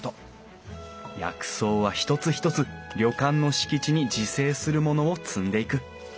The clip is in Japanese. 薬草は一つ一つ旅館の敷地に自生するものを摘んでいく